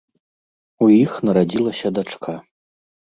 У іх нарадзілася дачка.